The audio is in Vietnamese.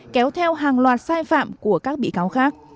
kéo theo hàng loạt sai phạm của các bị cáo khác